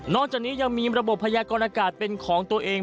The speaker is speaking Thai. จากนี้ยังมีระบบพยากรณากาศเป็นของตัวเอง